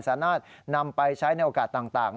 สามารถนำไปใช้ในโอกาสต่าง